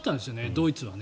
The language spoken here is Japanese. ドイツは。